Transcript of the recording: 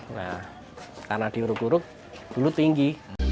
nah karena di huruk huruk dulu tinggi